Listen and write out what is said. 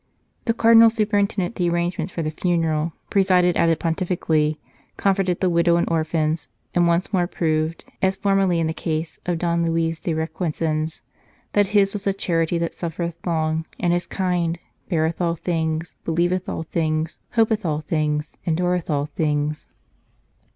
The Cardinal superintended the arrangements for the funeral, presided at it pontifically, com forted the widow and orphans, and once more proved, as formerly in the case of Don Luis de Requesens, that his was the "charity that suffereth long, and is kind ; beareth all things, believeth all things, hopeth all things, endureth all things."